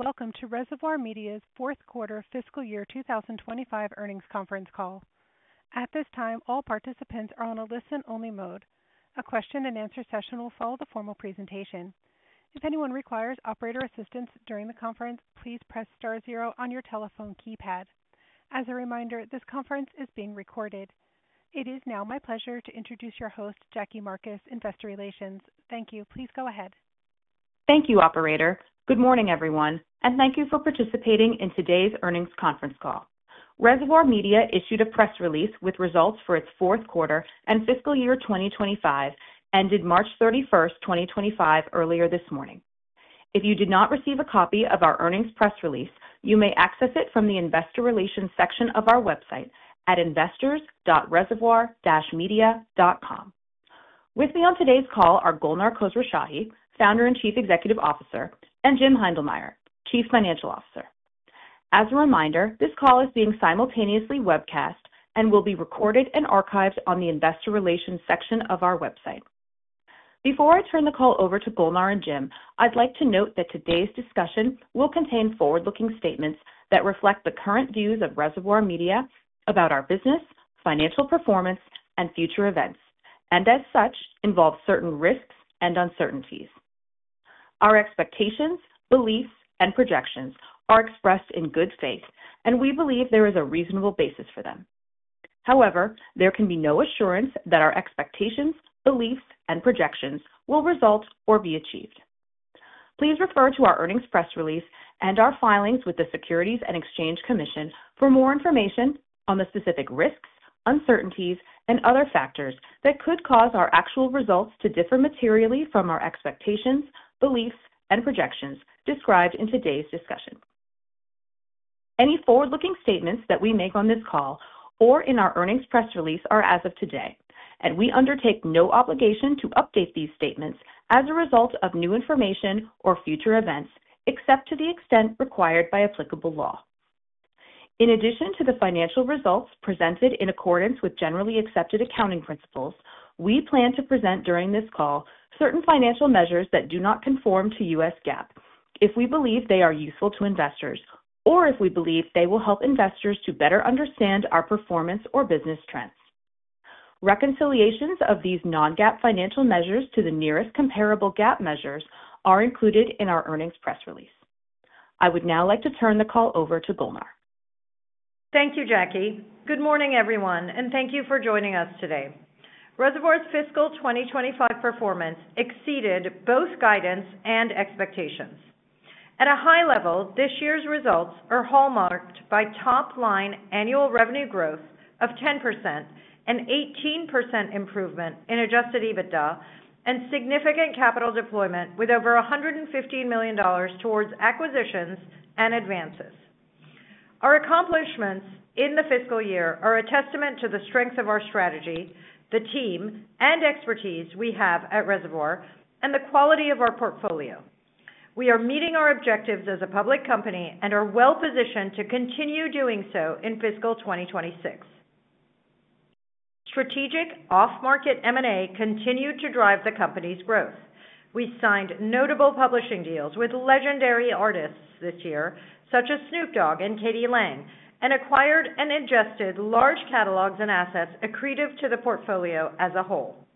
Greetings and welcome to Reservoir Media's Fourth Quarter Fiscal Year 2025 Earnings Conference Call. At this time, all participants are on a listen-only mode. A question-and-answer session will follow the formal presentation. If anyone requires operator assistance during the conference, please press star zero on your telephone keypad. As a reminder, this conference is being recorded. It is now my pleasure to introduce your host, Jackie Marcus, Investor Relations. Thank you. Please go ahead. Thank you, Operator. Good morning, everyone, and thank you for participating in today's earnings conference call. Reservoir Media issued a press release with results for its fourth quarter and fiscal year 2025 ended March 31st, 2025, earlier this morning. If you did not receive a copy of our earnings press release, you may access it from the Investor Relations section of our website at investors.reservoir-media.com. With me on today's call are Golnar Khosrowshahi, Founder and Chief Executive Officer, and Jim Heindlmeyer, Chief Financial Officer. As a reminder, this call is being simultaneously webcast and will be recorded and archived on the Investor Relations section of our website. Before I turn the call over to Golnar and Jim, I'd like to note that today's discussion will contain forward-looking statements that reflect the current views of Reservoir Media about our business, financial performance, and future events, and as such involve certain risks and uncertainties. Our expectations, beliefs, and projections are expressed in good faith, and we believe there is a reasonable basis for them. However, there can be no assurance that our expectations, beliefs, and projections will result or be achieved. Please refer to our earnings press release and our filings with the Securities and Exchange Commission for more information on the specific risks, uncertainties, and other factors that could cause our actual results to differ materially from our expectations, beliefs, and projections described in today's discussion. Any forward-looking statements that we make on this call or in our earnings press release are as of today, and we undertake no obligation to update these statements as a result of new information or future events, except to the extent required by applicable law. In addition to the financial results presented in accordance with generally accepted accounting principles, we plan to present during this call certain financial measures that do not conform to U.S. GAAP if we believe they are useful to investors or if we believe they will help investors to better understand our performance or business trends. Reconciliations of these non-GAAP financial measures to the nearest comparable GAAP measures are included in our earnings press release. I would now like to turn the call over to Golnar. Thank you, Jackie. Good morning, everyone, and thank you for joining us today. Reservoir's fiscal 2025 performance exceeded both guidance and expectations. At a high level, this year's results are hallmarked by top-line annual revenue growth of 10%, an 18% improvement in adjusted EBITDA, and significant capital deployment with over $115 million towards acquisitions and advances. Our accomplishments in the fiscal year are a testament to the strength of our strategy, the team and expertise we have at Reservoir, and the quality of our portfolio. We are meeting our objectives as a public company and are well-positioned to continue doing so in fiscal 2026. Strategic off-market M&A continued to drive the company's growth. We signed notable publishing deals with legendary artists this year, such as Snoop Dogg and k.d. lang, and acquired and adjusted large catalogs and assets accretive to the portfolio as a whole.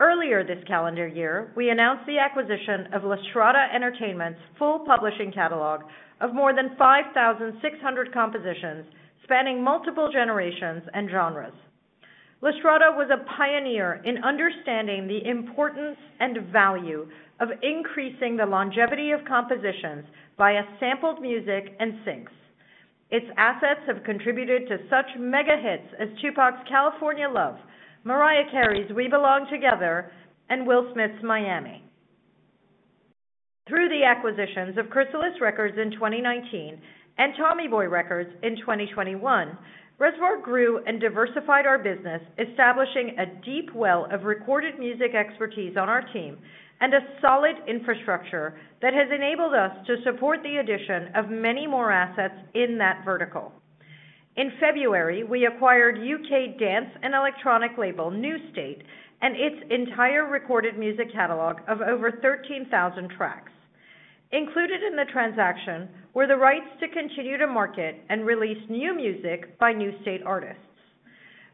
Earlier this calendar year, we announced the acquisition of Lastrada Entertainment's full publishing catalog of more than 5,600 compositions spanning multiple generations and genres. Lastrada was a pioneer in understanding the importance and value of increasing the longevity of compositions via sampled music and synths. Its assets have contributed to such mega-hits as 2Pac's "California Love," Mariah Carey's "We Belong Together," and Will Smith's "Miami." Through the acquisitions of Chrysalis Records in 2019 and Tommy Boy Records in 2021, Reservoir grew and diversified our business, establishing a deep well of recorded music expertise on our team and a solid infrastructure that has enabled us to support the addition of many more assets in that vertical. In February, we acquired U.K. dance and electronic label New State and its entire recorded music catalog of over 13,000 tracks. Included in the transaction were the rights to continue to market and release new music by New State artists.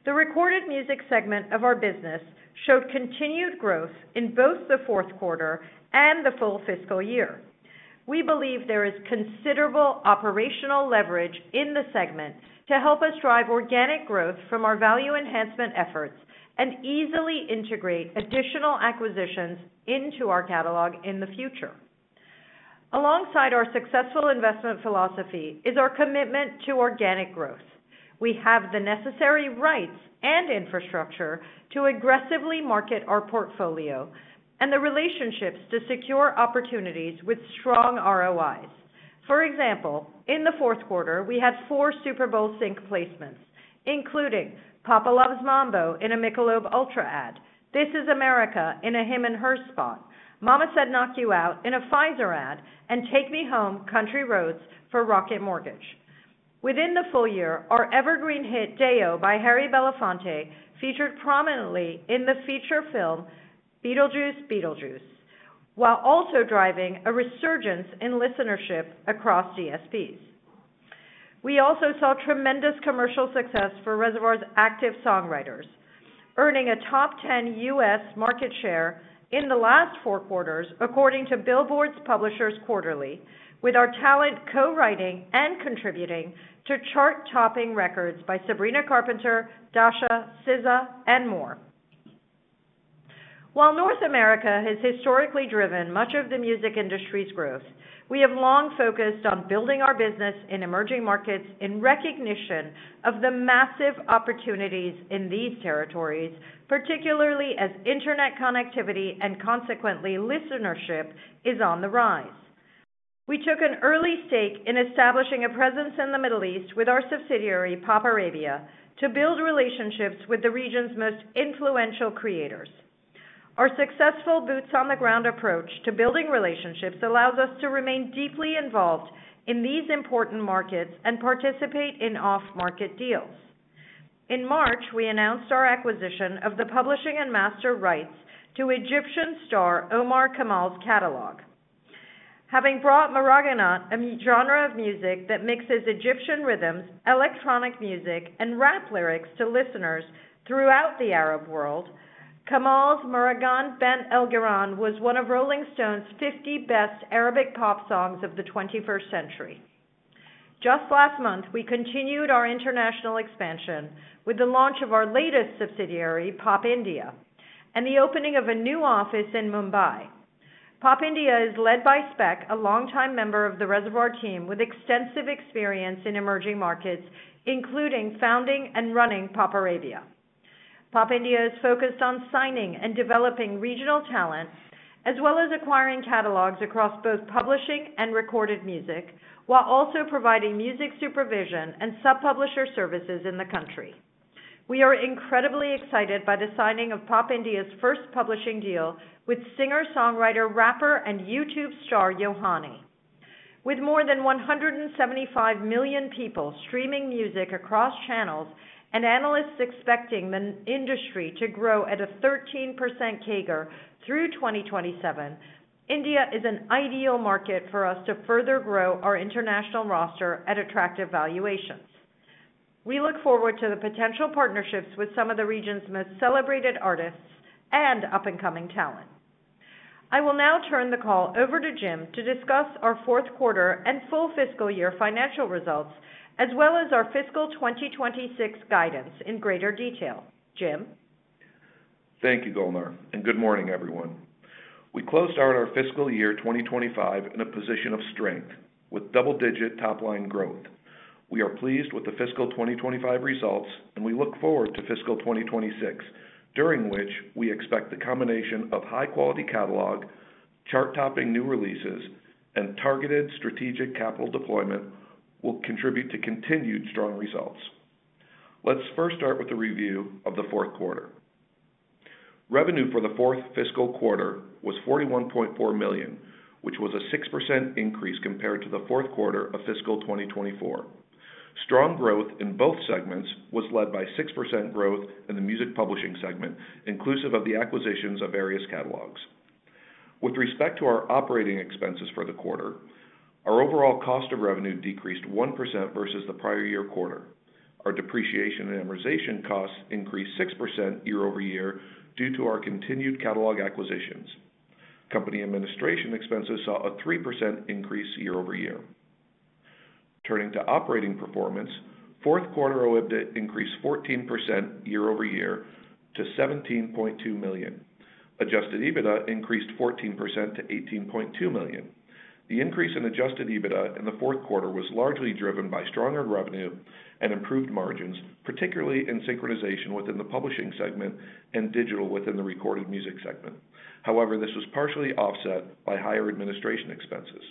The recorded music segment of our business showed continued growth in both the fourth quarter and the full fiscal year. We believe there is considerable operational leverage in the segment to help us drive organic growth from our value enhancement efforts and easily integrate additional acquisitions into our catalog in the future. Alongside our successful investment philosophy is our commitment to organic growth. We have the necessary rights and infrastructure to aggressively market our portfolio and the relationships to secure opportunities with strong ROIs. For example, in the fourth quarter, we had four Super Bowl sync placements, including "Papa Loves Mambo" in a Michelob Ultra ad, "This Is America" in a Him & Her spot, "Mama Said Knock You Out" in a Pfizer ad, and "Take Me Home, Country Roads" for Rocket Mortgage. Within the full year, our evergreen hit "Day-O" by Harry Belafonte featured prominently in the feature film "Beetlejuice, Beetlejuice," while also driving a resurgence in listenership across DSPs. We also saw tremendous commercial success for Reservoir's active songwriters, earning a top 10 U.S. market share in the last four quarters, according to Billboard's Publishers Quarterly, with our talent co-writing and contributing to chart-topping records by Sabrina Carpenter, Dasha, SZA, and more. While North America has historically driven much of the music industry's growth, we have long focused on building our business in emerging markets in recognition of the massive opportunities in these territories, particularly as internet connectivity and consequently listenership is on the rise. We took an early stake in establishing a presence in the Middle East with our subsidiary, Pop Arabia, to build relationships with the region's most influential creators. Our successful boots-on-the-ground approach to building relationships allows us to remain deeply involved in these important markets and participate in off-market deals. In March, we announced our acquisition of the publishing and master rights to Egyptian star Omar Kamal's catalog. Having brought maraggana, a genre of music that mixes Egyptian rhythms, electronic music, and rap lyrics to listeners throughout the Arab world, Kamal's "Mahragan Bent El Geran" was one of Rolling Stone's 50 best Arabic pop songs of the 21st century. Just last month, we continued our international expansion with the launch of our latest subsidiary, Pop India, and the opening of a new office in Mumbai. Pop India is led by Speck, a longtime member of the Reservoir team with extensive experience in emerging markets, including founding and running Pop Arabia. Pop India is focused on signing and developing regional talent as well as acquiring catalogs across both publishing and recorded music, while also providing music supervision and sub-publisher services in the country. We are incredibly excited by the signing of Pop India's 1st publishing deal with singer, songwriter, rapper, and YouTube star Yohani. With more than 175 million people streaming music across channels and analysts expecting the industry to grow at a 13% CAGR through 2027, India is an ideal market for us to further grow our international roster at attractive valuations. We look forward to the potential partnerships with some of the region's most celebrated artists and up-and-coming talent. I will now turn the call over to Jim to discuss our fourth quarter and full fiscal year financial results, as well as our fiscal 2026 guidance in greater detail. Jim. Thank you, Golnar, and good morning, everyone. We closed out our fiscal year 2025 in a position of strength with double-digit top-line growth. We are pleased with the fiscal 2025 results, and we look forward to fiscal 2026, during which we expect the combination of high-quality catalog, chart-topping new releases, and targeted strategic capital deployment will contribute to continued strong results. Let's 1st start with a review of the fourth quarter. Revenue for the fourth fiscal quarter was $41.4 million, which was a 6% increase compared to the fourth quarter of fiscal 2024. Strong growth in both segments was led by 6% growth in the music publishing segment, inclusive of the acquisitions of various catalogs. With respect to our operating expenses for the quarter, our overall cost of revenue decreased 1% versus the prior year quarter. Our depreciation and amortization costs increased 6% year-over-year due to our continued catalog acquisitions. Company administration expenses saw a 3% increase year-over-year. Turning to operating performance, fourth quarter OIBDA increased 14% year-over-year to $17.2 million. Adjusted EBITDA increased 14% to $18.2 million. The increase in adjusted EBITDA in the fourth quarter was largely driven by stronger revenue and improved margins, particularly in synchronization within the publishing segment and digital within the recorded music segment. However, this was partially offset by higher administration expenses.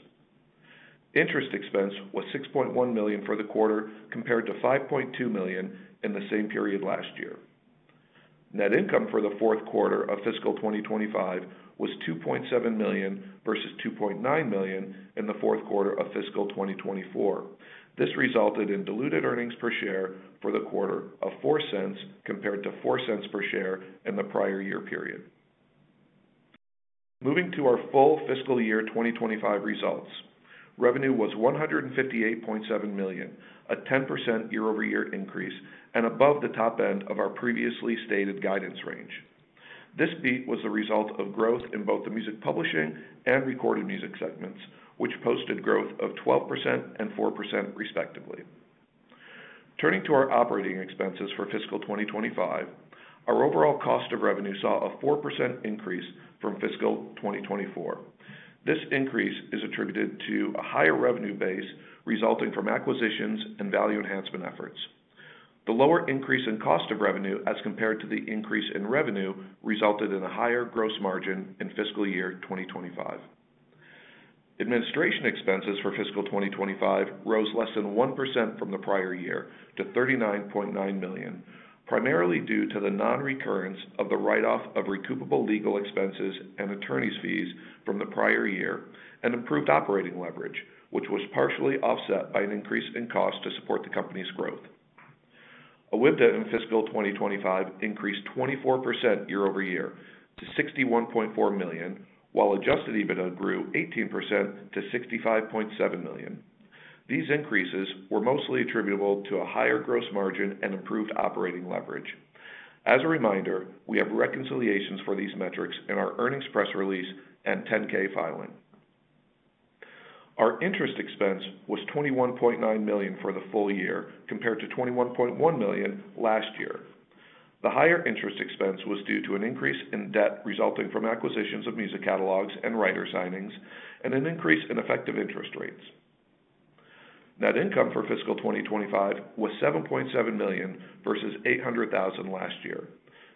Interest expense was $6.1 million for the quarter compared to $5.2 million in the same period last year. Net income for the fourth quarter of fiscal 2025 was $2.7 million versus $2.9 million in the fourth quarter of fiscal 2024. This resulted in diluted earnings per share for the quarter of $0.04 compared to $0.04 per share in the prior year period. Moving to our full fiscal year 2025 results, revenue was $158.7 million, a 10% year-over-year increase, and above the top end of our previously stated guidance range. This beat was the result of growth in both the music publishing and recorded music segments, which posted growth of 12% and 4% respectively. Turning to our operating expenses for fiscal 2025, our overall cost of revenue saw a 4% increase from fiscal 2024. This increase is attributed to a higher revenue base resulting from acquisitions and value enhancement efforts. The lower increase in cost of revenue as compared to the increase in revenue resulted in a higher gross margin in fiscal year 2025. Administration expenses for fiscal 2025 rose less than 1% from the prior year to $39.9 million, primarily due to the non-recurrence of the write-off of recoupable legal expenses and attorney's fees from the prior year and improved operating leverage, which was partially offset by an increase in cost to support the company's growth. OIBDA in fiscal 2025 increased 24% year-over-year to $61.4 million, while adjusted EBITDA grew 18% to $65.7 million. These increases were mostly attributable to a higher gross margin and improved operating leverage. As a reminder, we have reconciliations for these metrics in our earnings press release and 10-K filing. Our interest expense was $21.9 million for the full year compared to $21.1 million last year. The higher interest expense was due to an increase in debt resulting from acquisitions of music catalogs and writer signings and an increase in effective interest rates. Net income for fiscal 2025 was $7.7 million versus $800,000 last year.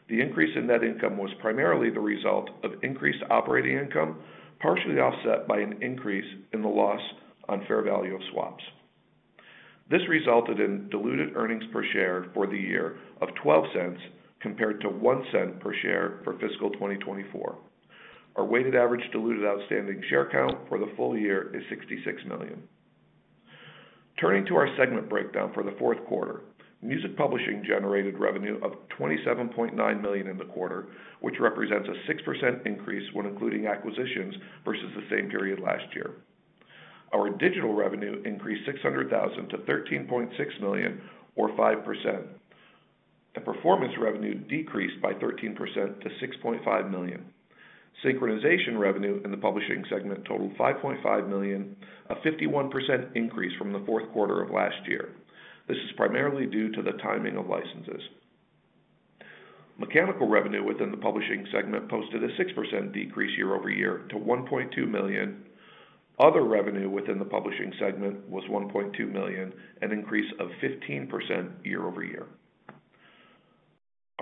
The increase in net income was primarily the result of increased operating income, partially offset by an increase in the loss on fair value of swaps. This resulted in diluted earnings per share for the year of $0.12 compared to $0.01 per share for fiscal 2024. Our weighted average diluted outstanding share count for the full year is $66 million. Turning to our segment breakdown for the fourth quarter, music publishing generated revenue of $27.9 million in the quarter, which represents a 6% increase when including acquisitions versus the same period last year. Our digital revenue increased $600,000 to $13.6 million, or 5%. The performance revenue decreased by 13% to $6.5 million. Synchronization revenue in the publishing segment totaled $5.5 million, a 51% increase from the fourth quarter of last year. This is primarily due to the timing of licenses. Mechanical revenue within the publishing segment posted a 6% decrease year-over-year to $1.2 million. Other revenue within the publishing segment was $1.2 million, an increase of 15%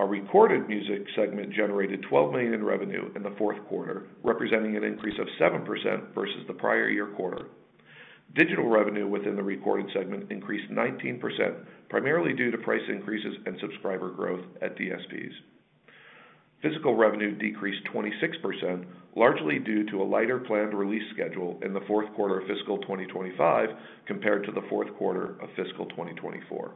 year-over-year. Our recorded music segment generated $12 million in revenue in the fourth quarter, representing an increase of 7% versus the prior year quarter. Digital revenue within the recorded segment increased 19%, primarily due to price increases and subscriber growth at DSPs. Physical revenue decreased 26%, largely due to a lighter planned release schedule in the fourth quarter of fiscal 2025 compared to the fourth quarter of fiscal 2024.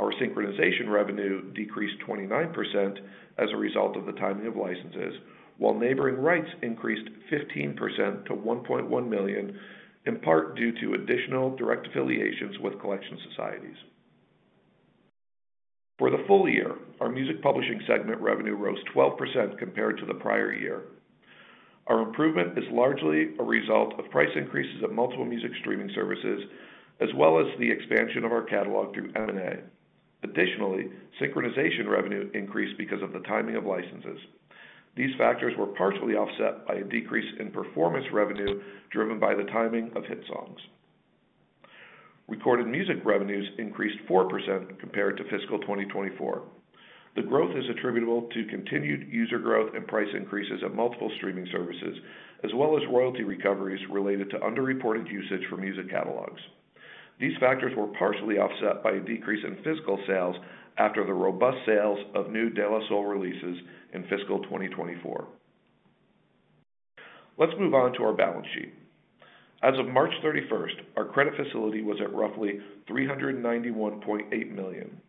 Our synchronization revenue decreased 29% as a result of the timing of licenses, while neighboring rights increased 15% to $1.1 million, in part due to additional direct affiliations with collection societies. For the full year, our music publishing segment revenue rose 12% compared to the prior year. Our improvement is largely a result of price increases of multiple music streaming services, as well as the expansion of our catalog through M&A. Additionally, synchronization revenue increased because of the timing of licenses. These factors were partially offset by a decrease in performance revenue driven by the timing of hit songs. Recorded music revenues increased 4% compared to fiscal 2024. The growth is attributable to continued user growth and price increases of multiple streaming services, as well as royalty recoveries related to underreported usage for music catalogs. These factors were partially offset by a decrease in physical sales after the robust sales of new De La Soul releases in fiscal 2024. Let's move on to our balance sheet. As of March 31st, our credit facility was at roughly $391.8 million.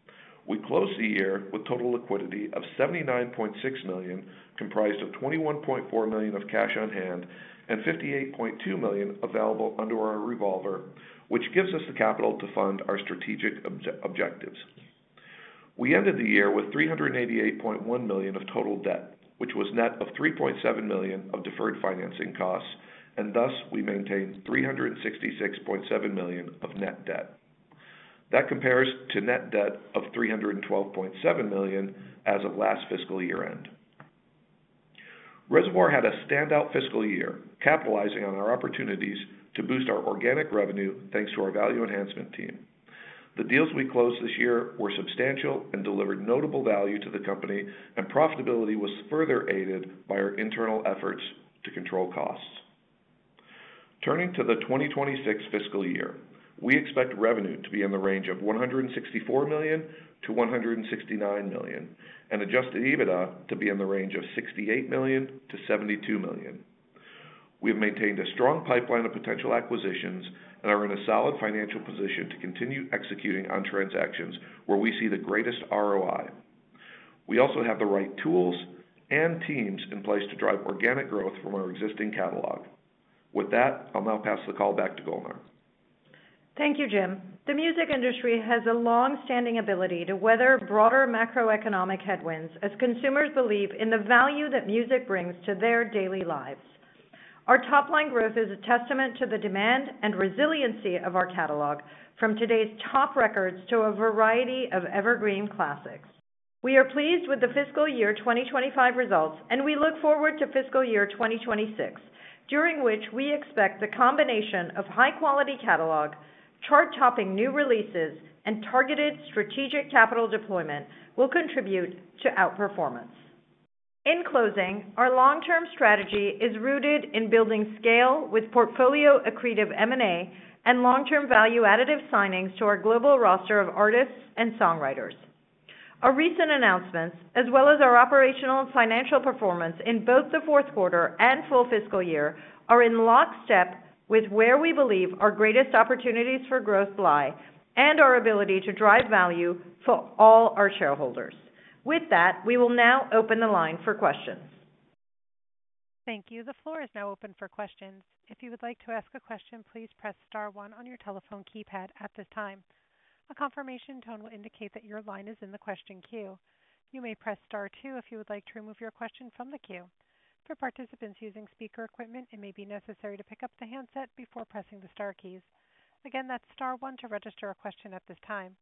We closed the year with total liquidity of $79.6 million, comprised of $21.4 million of cash on hand and $58.2 million available under our revolver, which gives us the capital to fund our strategic objectives. We ended the year with $388.1 million of total debt, which was net of $3.7 million of deferred financing costs, and thus we maintained $366.7 million of net debt. That compares to net debt of $312.7 million as of last fiscal year-end. Reservoir had a standout fiscal year, capitalizing on our opportunities to boost our organic revenue thanks to our value enhancement team. The deals we closed this year were substantial and delivered notable value to the company, and profitability was further aided by our internal efforts to control costs. Turning to the 2026 fiscal year, we expect revenue to be in the range of $164 million-$169 million, and adjusted EBITDA to be in the range of $68 million-$72 million. We have maintained a strong pipeline of potential acquisitions and are in a solid financial position to continue executing on transactions where we see the greatest ROI. We also have the right tools and teams in place to drive organic growth from our existing catalog. With that, I'll now pass the call back to Golnar. Thank you, Jim. The music industry has a long-standing ability to weather broader macroeconomic headwinds as consumers believe in the value that music brings to their daily lives. Our top-line growth is a testament to the demand and resiliency of our catalog, from today's top records to a variety of evergreen classics. We are pleased with the fiscal year 2025 results, and we look forward to fiscal year 2026, during which we expect the combination of high-quality catalog, chart-topping new releases, and targeted strategic capital deployment will contribute to outperformance. In closing, our long-term strategy is rooted in building scale with portfolio accretive M&A and long-term value-additive signings to our global roster of artists and songwriters. Our recent announcements, as well as our operational and financial performance in both the fourth quarter and full fiscal year, are in lock step with where we believe our greatest opportunities for growth lie and our ability to drive value for all our shareholders. With that, we will now open the line for questions. Thank you. The floor is now open for questions. If you would like to ask a question, please press star one on your telephone keypad at this time. A confirmation tone will indicate that your line is in the question queue. You may press star two if you would like to remove your question from the queue. For participants using speaker equipment, it may be necessary to pick up the handset before pressing the star keys. Again, that's star one to register a question at this time.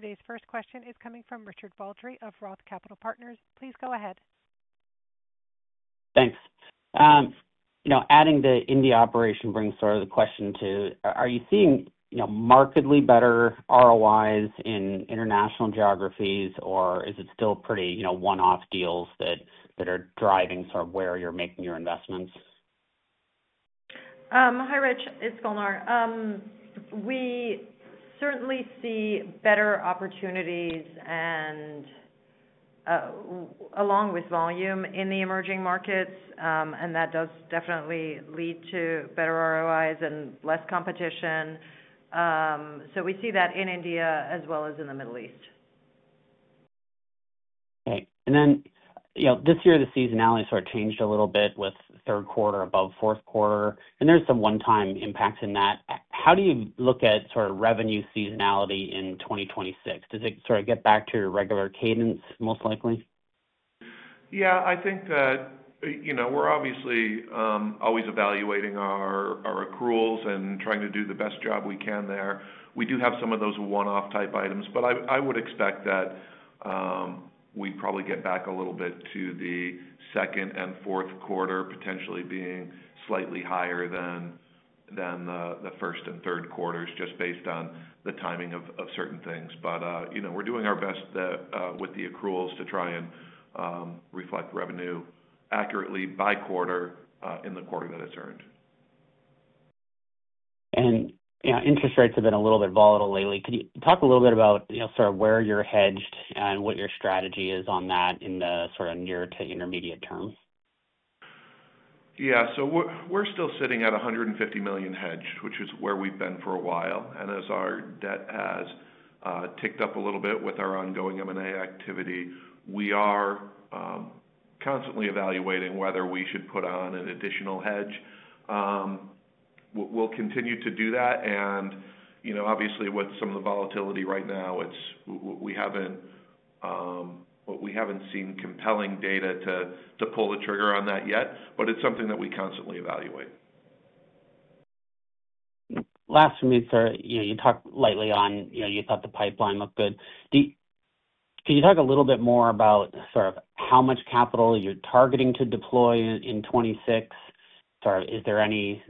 Today's 1st question is coming from Richard Baldry of ROTH Capital Partners. Please go ahead. Thanks. You know, adding the indie operation brings sort of the question to, are you seeing, you know, markedly better ROIs in international geographies, or is it still pretty, you know, one-off deals that are driving sort of where you're making your investments? Hi, Rich. It's Golnar. We certainly see better opportunities and, along with volume in the emerging markets, and that does definitely lead to better ROIs and less competition. We see that in India as well as in the Middle East. Okay. And then, you know, this year, the seasonality sort of changed a little bit with third quarter above fourth quarter, and there's some one-time impacts in that. How do you look at sort of revenue seasonality in 2026? Does it sort of get back to your regular cadence most likely? Yeah, I think that, you know, we're obviously always evaluating our accruals and trying to do the best job we can there. We do have some of those one-off type items, but I would expect that we probably get back a little bit to the second and fourth quarter potentially being slightly higher than the first and third quarters, just based on the timing of certain things. You know, we're doing our best with the accruals to try and reflect revenue accurately by quarter in the quarter that it's earned. You know, interest rates have been a little bit volatile lately. Could you talk a little bit about, you know, sort of where you're hedged and what your strategy is on that in the sort of near to intermediate term? Yeah. So we're still sitting at $150 million hedged, which is where we've been for a while. As our debt has ticked up a little bit with our ongoing M&A activity, we are constantly evaluating whether we should put on an additional hedge. We'll continue to do that. You know, obviously, with some of the volatility right now, we have not seen compelling data to pull the trigger on that yet, but it's something that we constantly evaluate. Last for me, sir, you know, you talked lightly on, you know, you thought the pipeline looked good. Can you talk a little bit more about sort of how much capital you're targeting to deploy in 2026? Sort of is there any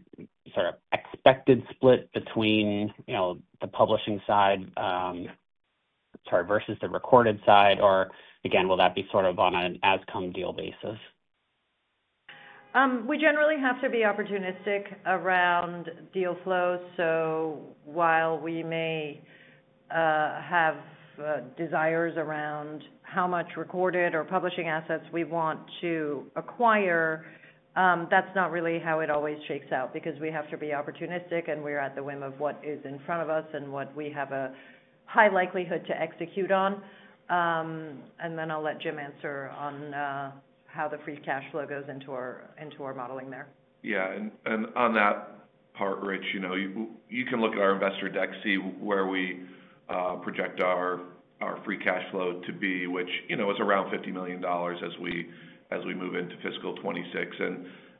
sort of expected split between, you know, the publishing side, sorry, versus the recorded side, or again, will that be sort of on an as-come deal basis? We generally have to be opportunistic around deal flows. While we may have desires around how much recorded or publishing assets we want to acquire, that's not really how it always shakes out because we have to be opportunistic and we're at the whim of what is in front of us and what we have a high likelihood to execute on. I'll let Jim answer on how the free cash flow goes into our modeling there. Yeah. And on that part, Rich, you know, you can look at our investor deck, see where we project our free cash flow to be, which, you know, is around $50 million as we move into fiscal 2026.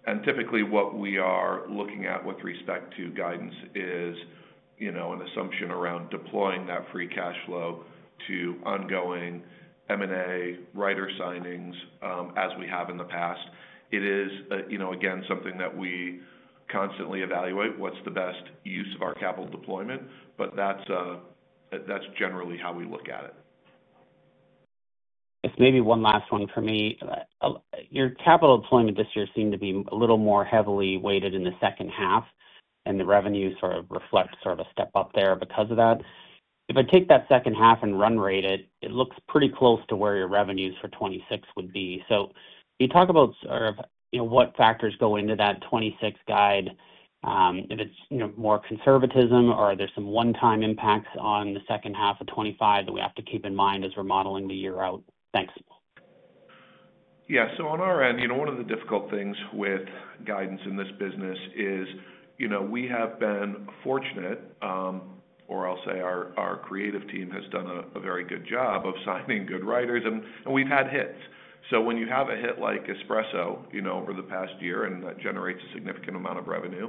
And typically what we are looking at with respect to guidance is, you know, an assumption around deploying that free cash flow to ongoing M&A, writer signings as we have in the past. It is, you know, again, something that we constantly evaluate what's the best use of our capital deployment, but that's generally how we look at it. Just maybe one last one for me. Your capital deployment this year seemed to be a little more heavily weighted in the 2nd half, and the revenue sort of reflects sort of a step up there because of that. If I take that 2nd half and run rate it, it looks pretty close to where your revenues for 2026 would be. Can you talk about sort of, you know, what factors go into that 2026 guide? If it's, you know, more conservatism, or are there some one-time impacts on the 2nd half of 2025 that we have to keep in mind as we're modeling the year out? Thanks. Yeah. So on our end, you know, one of the difficult things with guidance in this business is, you know, we have been fortunate, or I'll say our creative team has done a very good job of signing good writers, and we've had hits. So when you have a hit like Espresso, you know, over the past year, and that generates a significant amount of revenue,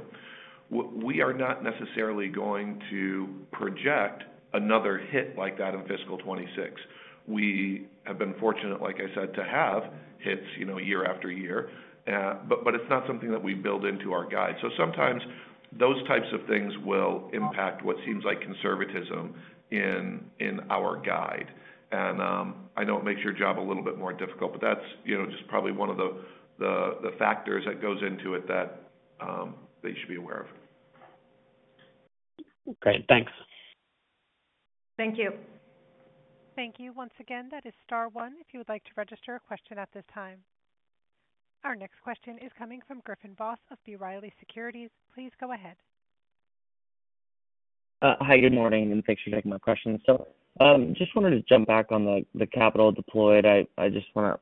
we are not necessarily going to project another hit like that in fiscal 2026. We have been fortunate, like I said, to have hits, you know, year after year, but it's not something that we build into our guide. Sometimes those types of things will impact what seems like conservatism in our guide. I know it makes your job a little bit more difficult, but that's, you know, just probably one of the factors that goes into it that you should be aware of. Great. Thanks. Thank you. Thank you once again. That is star one if you would like to register a question at this time. Our next question is coming from Griffin Boss of B. Riley Securities. Please go ahead. Hi, good morning, and thanks for taking my question. Just wanted to jump back on the capital deployed. I just want to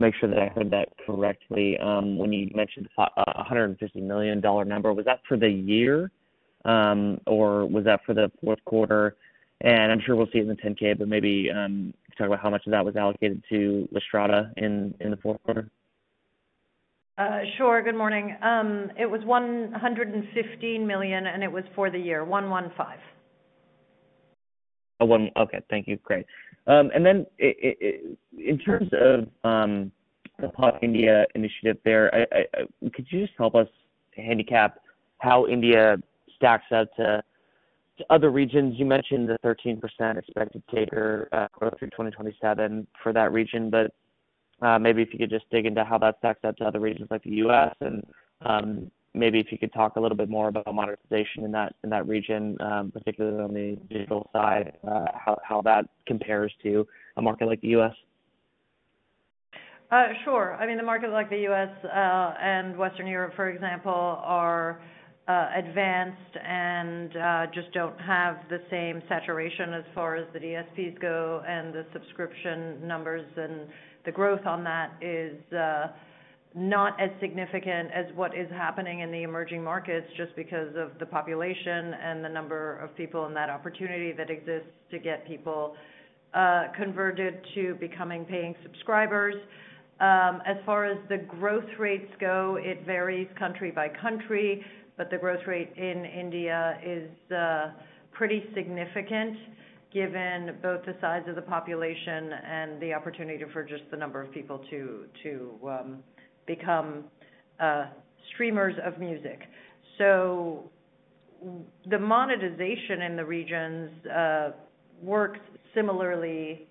make sure that I heard that correctly. When you mentioned the $150 million number, was that for the year, or was that for the fourth quarter? I'm sure we'll see it in the 10-K, but maybe talk about how much of that was allocated to Lastrada in the fourth quarter. Sure. Good morning. It was $115 million, and it was for the year, $115 million. Oh, okay. Thank you. Great. In terms of the Pop India initiative there, could you just help us handicap how India stacks out to other regions? You mentioned the 13% expected data growth through 2027 for that region, but maybe if you could just dig into how that stacks out to other regions like the U.S., and maybe if you could talk a little bit more about monetization in that region, particularly on the digital side, how that compares to a market like the U.S. Sure. I mean, the markets like the U.S. and Western Europe, for example, are advanced and just do not have the same saturation as far as the DSPs go, and the subscription numbers and the growth on that is not as significant as what is happening in the emerging markets just because of the population and the number of people and that opportunity that exists to get people converted to becoming paying subscribers. As far as the growth rates go, it varies country by country, but the growth rate in India is pretty significant given both the size of the population and the opportunity for just the number of people to become streamers of music. The monetization in the regions works similarly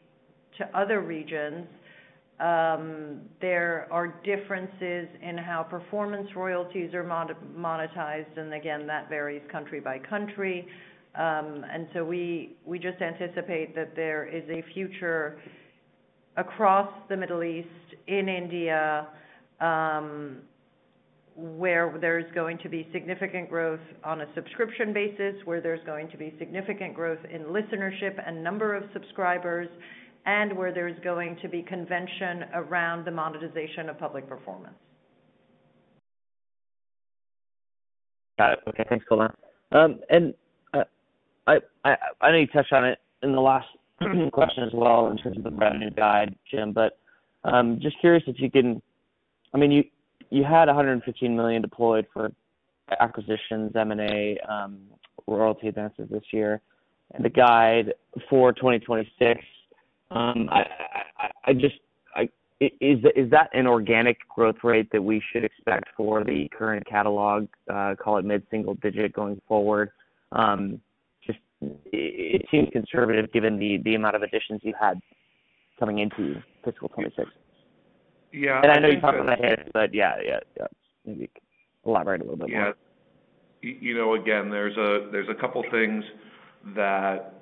to other regions. There are differences in how performance royalties are monetized, and again, that varies country by country. We just anticipate that there is a future across the Middle East and India where there is going to be significant growth on a subscription basis, where there is going to be significant growth in listenership and number of subscribers, and where there is going to be convention around the monetization of public performance. Got it. Okay. Thanks, Golnar. I know you touched on it in the last question as well in terms of the revenue guide, Jim, but just curious if you can, I mean, you had $115 million deployed for acquisitions, M&A, royalty advances this year, and the guide for 2026. Is that an organic growth rate that we should expect for the current catalog, call it mid-single digit going forward? It just seems conservative given the amount of additions you've had coming into fiscal 2026. Yeah. I know you talked about the hedge, but yeah. Maybe elaborate a little bit more. Yeah. You know, again, there's a couple of things that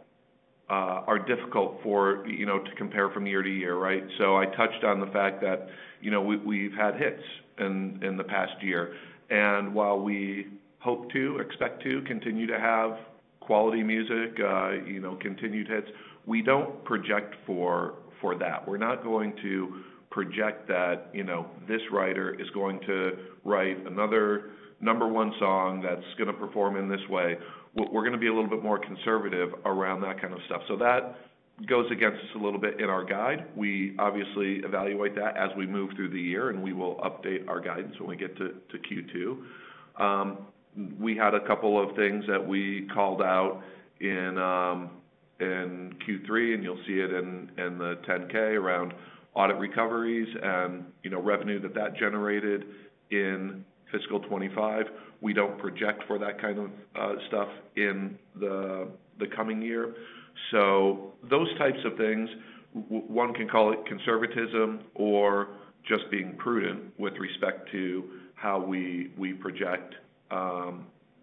are difficult for, you know, to compare from year to year, right? I touched on the fact that, you know, we've had hits in the past year. And while we hope to, expect to continue to have quality music, you know, continued hits, we don't project for that. We're not going to project that, you know, this writer is going to write another number one song that's going to perform in this way. We're going to be a little bit more conservative around that kind of stuff. That goes against us a little bit in our guide. We obviously evaluate that as we move through the year, and we will update our guidance when we get to Q2. We had a couple of things that we called out in Q3, and you'll see it in the 10-K around audit recoveries and, you know, revenue that generated in fiscal 2025. We do not project for that kind of stuff in the coming year. Those types of things, one can call it conservatism or just being prudent with respect to how we project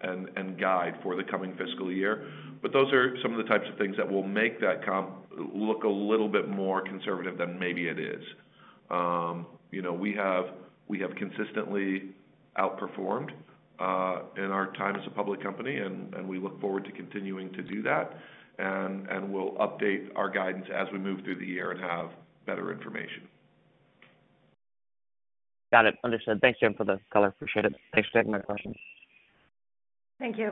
and guide for the coming fiscal year. Those are some of the types of things that will make that comp look a little bit more conservative than maybe it is. You know, we have consistently outperformed in our time as a public company, and we look forward to continuing to do that. We will update our guidance as we move through the year and have better information. Got it. Understood. Thanks, Jim, for the color. Appreciate it. Thanks for taking my question. Thank you.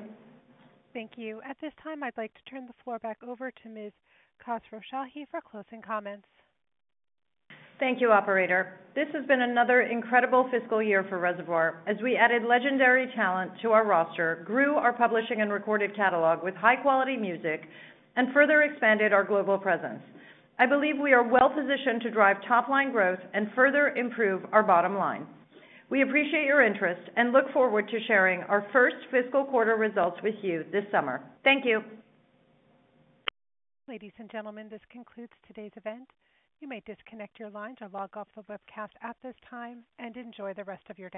Thank you. At this time, I'd like to turn the floor back over to Ms. Khosrowshahi for closing comments. Thank you, Operator. This has been another incredible fiscal year for Reservoir. As we added legendary talent to our roster, grew our publishing and recorded catalog with high-quality music, and further expanded our global presence. I believe we are well-positioned to drive top-line growth and further improve our bottom line. We appreciate your interest and look forward to sharing our 1st fiscal quarter results with you this summer. Thank you. Ladies and gentlemen, this concludes today's event. You may disconnect your lines or log off the webcast at this time and enjoy the rest of your day.